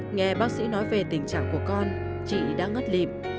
nghe bác sĩ nói về tình trạng của con chị đã ngất lịp